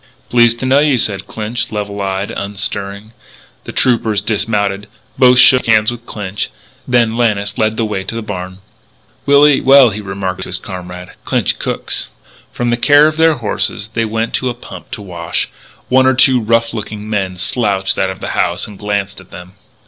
"Pleased to know you," said Clinch, level eyed, unstirring. The troopers dismounted. Both shook hands with Clinch. Then Lannis led the way to the barn. "We'll eat well," he remarked to his comrade. "Clinch cooks." From the care of their horses they went to a pump to wash. One or two rough looking men slouched out of the house and glanced at them.